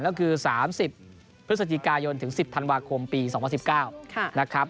ก็คือ๓๐พฤศจิกายนถึง๑๐ธันวาคมปี๒๐๑๙นะครับ